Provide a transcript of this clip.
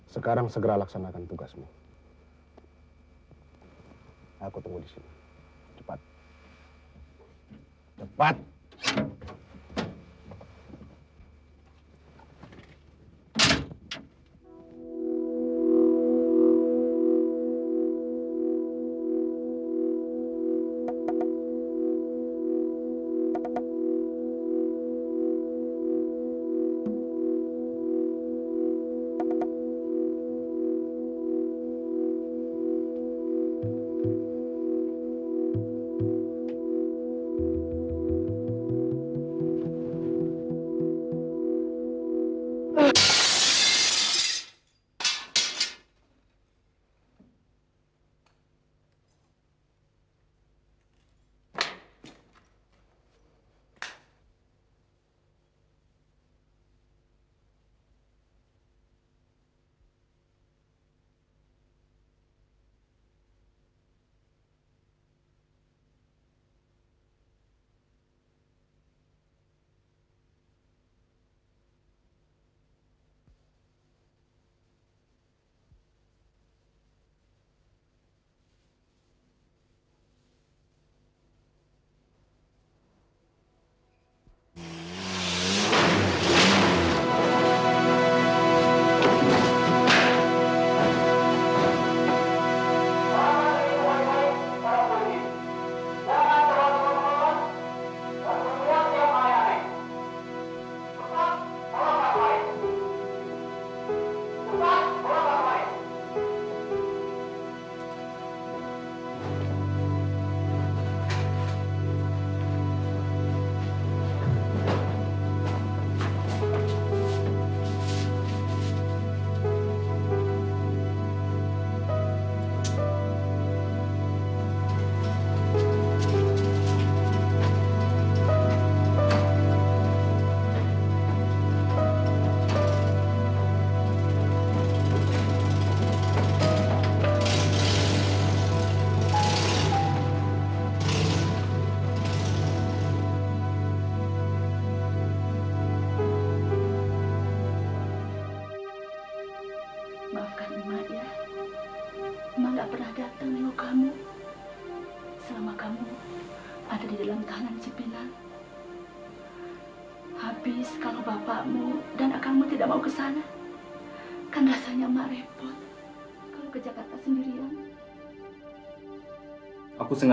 sekarang berhenti bergelut di situ